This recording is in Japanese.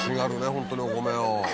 ホントにお米を。